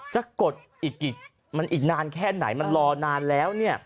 จะกดอีกมันอีกนานแค่ไหนมันรอนานแล้ว